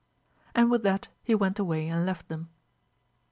And with that he went away and left them.